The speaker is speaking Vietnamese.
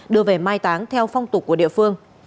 đưa về mai táng theo phong tục của địa phương